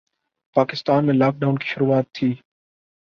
پاکستان میں lockdown کی شروعات تھیں